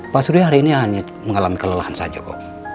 pak surya hari ini hanya mengalami kelelahan saja kok